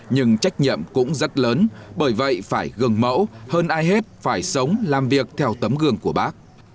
nhưng trách nhiệm cũng rất lớn bởi vậy phải gần mẫu hơn ai hết phải sống làm việc theo tấm gương của bác